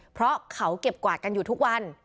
เพราะเขาเก็บกวาดกันอยู่ทุกวัน